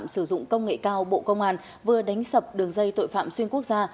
sử dụng công nghệ cao bộ công an vừa đánh sập đường dây tội phạm xuyên quốc gia